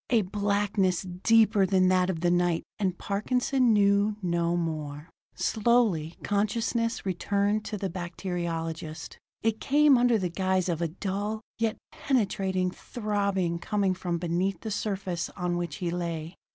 A blackness deeper than that of the night and Parkinson knew no more.... Slowly consciousness returned to the bacteriologist. It came under the guise of a dull, yet penetrating throbbing coming from beneath the surface on which he lay.